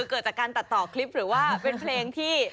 เกิดจากการตัดต่อคลิปหรือว่าเป็นเพลงที่